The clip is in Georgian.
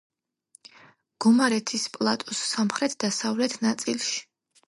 გომარეთის პლატოს სამხრეთ-დასავლეთ ნაწილში.